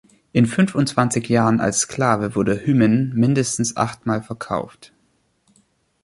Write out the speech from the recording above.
In fünfundzwanzig Jahren als Sklave wurde Hyman mindestens achtmal verkauft.